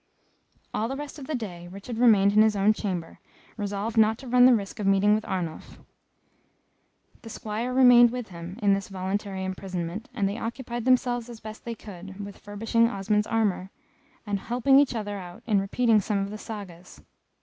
All the rest of the day, Richard remained in his own chamber, resolved not to run the risk of meeting with Arnulf. The Squire remained with him, in this voluntary imprisonment, and they occupied themselves, as best they could, with furbishing Osmond's armour, and helping each other out in repeating some of the Sagas.